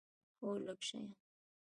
هو، لږ شیان